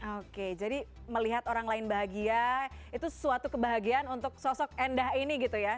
oke jadi melihat orang lain bahagia itu suatu kebahagiaan untuk sosok endah ini gitu ya